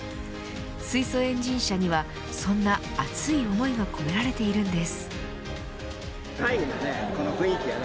水素エンジン車にはそんな熱い思いが込められているんです。